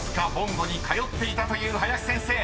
ごに通っていたという林先生］